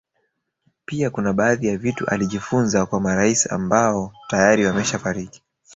Pia kuna baadhi ya vitu alijifunza kwa marais ambao tayari wameshafariki